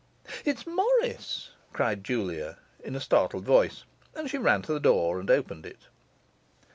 'It's Morris,' cried Julia, in a startled voice, and she ran to the door and opened it.